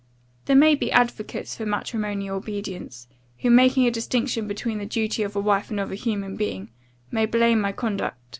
"There may be advocates for matrimonial obedience, who, making a distinction between the duty of a wife and of a human being, may blame my conduct.